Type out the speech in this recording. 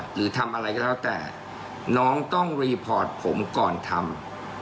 หรือทำอะไรก็แล้วแต่น้องต้องรีพอร์ตผมก่อนทำ